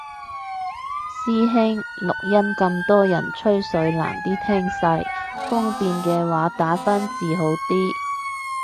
師兄，錄音咁多人吹水難啲聽晒，方便嘅話打返字好啲